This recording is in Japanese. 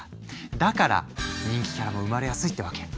だから人気キャラも生まれやすいってわけ。